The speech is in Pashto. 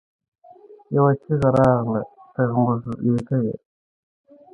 يوه چيغه راغله! ته زموږ نيکه يې!